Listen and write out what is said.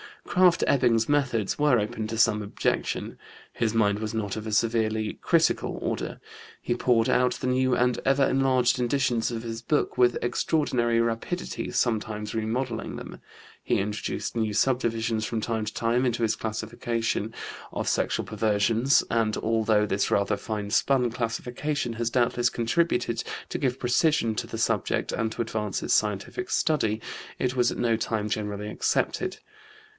Krafft Ebing's methods were open to some objection. His mind was not of a severely critical order. He poured out the new and ever enlarged editions of his book with extraordinary rapidity, sometimes remodelling them. He introduced new subdivisions from time to time into his classification of sexual perversions, and, although this rather fine spun classification has doubtless contributed to give precision to the subject and to advance its scientific study, it was at no time generally accepted.